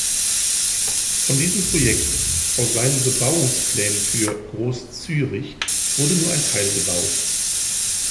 Von diesem Projekt aus seinen Bebauungsplänen für «Gross-Zürich» wurde nur ein Teil gebaut.